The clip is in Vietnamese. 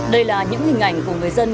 đây là những hình ảnh của người dân